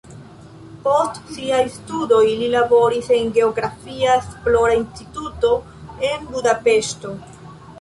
Post siaj studoj li laboris en geografia esplora instituto en Budapeŝto.